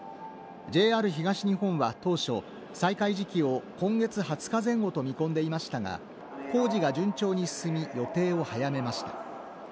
ＪＲ東日本は当初、再開時期を今月２０日前後と見込んでいましたが工事が順調に進み、予定を早めました。